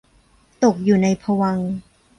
ตกอยู่ในภวังค์